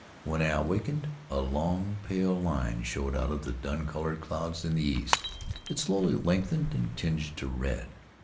When I awakened, a long, pale line showed out of the dun colored clouds in the east. It slowly lengthened, and tinged to red.